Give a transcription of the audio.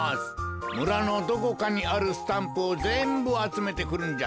むらのどこかにあるスタンプをぜんぶあつめてくるんじゃ。